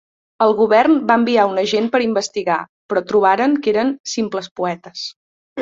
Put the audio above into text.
El govern va enviar un agent per investigar, però trobaren que eren "simples poetes".